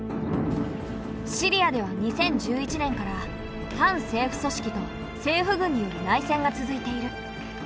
シリアでは２０１１年から反政府組織と政府軍による内戦が続いている。